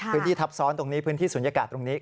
พื้นที่ทับซ้อนตรงนี้พื้นที่ศูนยากาศตรงนี้